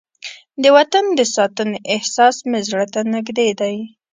د وطن د ساتنې احساس مې زړه ته نږدې دی.